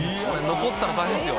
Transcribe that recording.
残ったら大変ですよ。